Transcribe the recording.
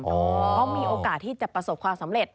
เพราะมีโอกาสที่จะประสบความสำเร็จ